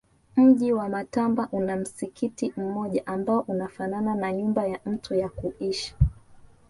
Mji wa Matamba una msikiti mmoja ambao unafanana na nyumba ya mtu ya kuishi